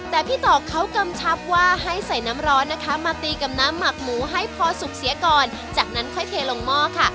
แต่พี่ตอกเขากำชับว่าให้ใส่น้ำร้อนนะคะมาตีกับน้ำหมักหมูให้พอสุกเสียก่อนจากนั้นค่อยเทลงหม้อค่ะ